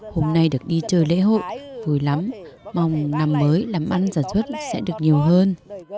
hôm nay được đi chơi lễ hội vui lắm mong năm mới làm ăn sản xuất sẽ được nhiều hơn